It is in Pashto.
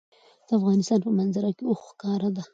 د افغانستان په منظره کې اوښ ښکاره ده.